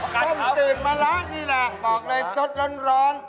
พักตำจืดมาร้าดีล่ะบอกเลยซดร้อน